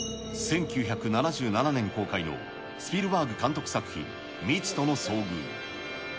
１９７７年公開のスピルバーグ監督作品、未知との遭遇。